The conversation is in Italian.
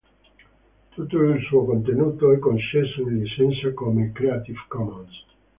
Tutto il suo contenuto è concesso in licenza come Creative Commons.